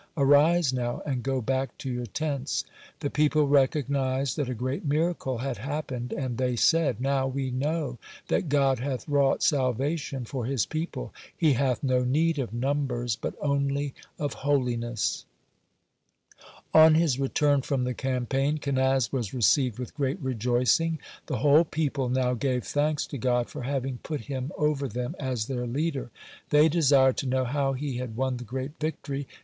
Arise now and go back to your tents." The people recognized that a great miracle had happened, and they said: "Now we know that God hath wrought salvation for His people; He hath no need of numbers, but only of holiness." On his return from the campaign, Kenaz was received with great rejoicing. The whole people now gave thanks to God for having put him over them as their leader. They desired to know how he had won the great victory.